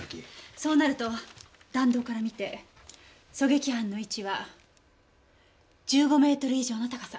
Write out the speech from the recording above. そうなると弾道から見て狙撃犯の位置は１５メートル以上の高さ。